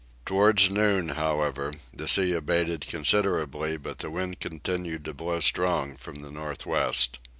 Towards noon however the sea abated considerably, but the wind continued to blow strong from the north west.